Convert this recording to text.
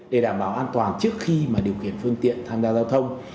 để đảm bảo an toàn trước khi mà điều khiển phương tiện tham gia giao thông